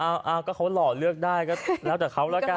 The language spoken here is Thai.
เอาก็เขาหล่อเลือกได้ก็แล้วแต่เขาแล้วกัน